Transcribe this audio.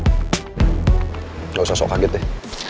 lo gak usah sok kaget deh